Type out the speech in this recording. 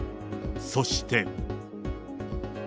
そして。